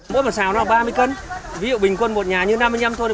mỗi vỏ xào nó là ba mươi cân ví dụ bình quân một nhà như năm mươi năm thôi